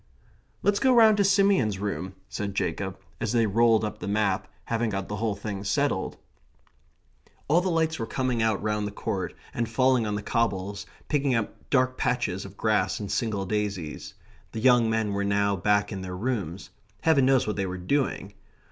"Let's go round to Simeon's room," said Jacob, and they rolled up the map, having got the whole thing settled. All the lights were coming out round the court, and falling on the cobbles, picking out dark patches of grass and single daisies. The young men were now back in their rooms. Heaven knows what they were doing.